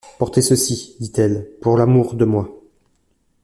Portez ceci, dit-elle, pour l’amour de moi.